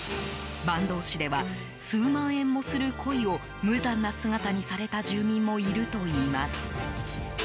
坂東市では数万円もするコイを無残な姿にされた住民もいるといいます。